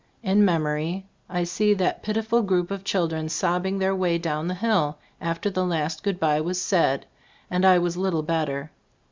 In memory I see that pitiful group of children sobbing their way down the hill after the last good bye was said, and I was little better.